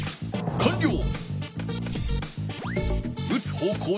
かんりょう！